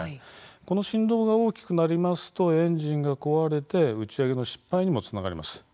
この振動が大きくなりますとエンジンが壊れて打ち上げの失敗にもつながります。